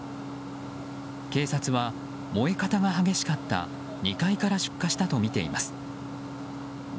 警察は、燃え方が激しかった２階から出火したとみています。